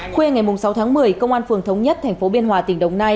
khuya ngày sáu tháng một mươi công an phường thống nhất tp biên hòa tỉnh đồng nai